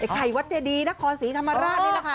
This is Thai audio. ไข่วัดเจดีนครศรีธรรมราชนี่แหละค่ะ